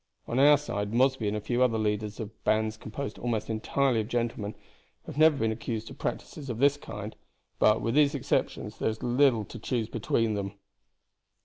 On our side Mosby and a few other leaders of bands composed almost entirely of gentlemen, have never been accused of practices of this kind; but, with these exceptions, there is little to choose between them."